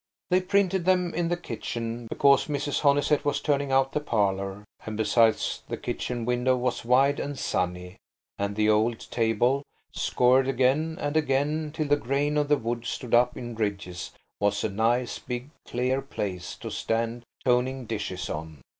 They printed them in the kitchen, because Mrs. Honeysett was turning out the parlour, and besides the kitchen window was wide and sunny, and the old table, scoured again and again till the grain of the wood stood up in ridges, was a nice, big, clear place to stand toning dishes on.